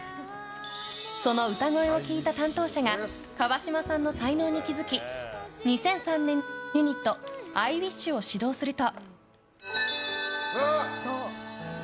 その歌声を聴いた担当者が川嶋さんの才能に気づき２００３年、ユニットＩＷｉＳＨを始動すると。